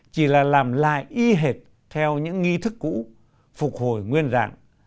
chỉ là làm lại y hệt theo những nghi thức cũ phục hồi nguyên dạng